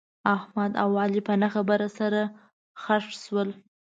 احمد او علي په نه خبره سره خښ شول.